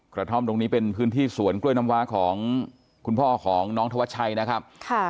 กระท่อมตรงนี้เป็นพื้นที่สวนกล้วยน้ำว้าของคุณพ่อของน้องธวัชชัยนะครับ